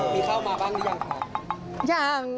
มีเข้ามาบ้างหรือยังครับ